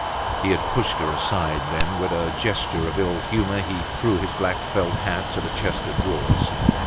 He had pushed her aside. Then, with a gesture of ill humor he threw his black felt hat to the chest of drawers.